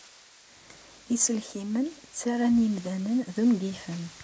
Iselkimen ttarran imdanen d ungifen.